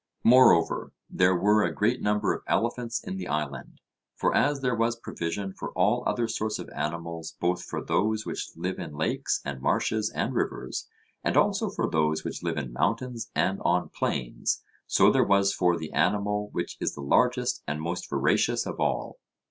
Moreover, there were a great number of elephants in the island; for as there was provision for all other sorts of animals, both for those which live in lakes and marshes and rivers, and also for those which live in mountains and on plains, so there was for the animal which is the largest and most voracious of all.